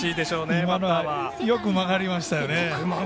今のはよく曲がりましたよね。